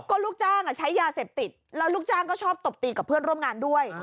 ก็ลูกจ้างใช้ยาเสพติดแล้วลูกจ้างก็ชอบตบตีกับเพื่อนร่วมงานด้วย